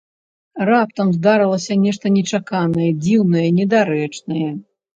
Раптам здарылася нешта нечаканае, дзіўнае, недарэчнае!